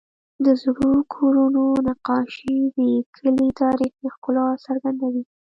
د زړو کورونو نقاشې د کلي تاریخي ښکلا څرګندوي.